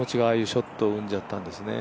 ショットを生んじゃったんですね。